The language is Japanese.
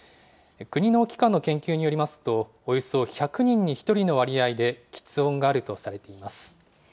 国の機関の研究によりますと、およそ１００人に１人の割合できつ音があるとされています。